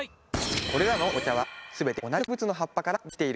これらのお茶は全て同じ植物の葉っぱからできている。